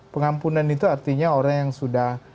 pengampunan itu artinya orang yang sudah